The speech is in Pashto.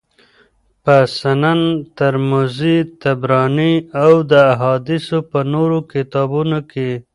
په سنن ترمذي، طبراني او د احاديثو په نورو کتابونو کي